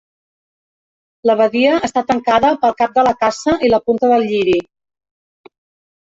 La badia està tancada pel cap de la Caça i la punta del Lliri.